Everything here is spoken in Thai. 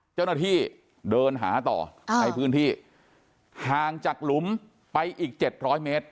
เจ้าหน้าที่เดินหาต่อในพื้นที่ห่างจากหลุมไปอีก๗๐๐เมตร